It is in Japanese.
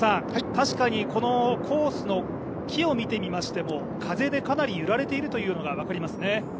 確かにこのコースの木を見てみましても、風でかなり揺られているのが分かりますね。